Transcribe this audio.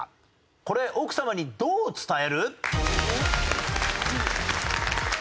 これ奥さまにどう伝える？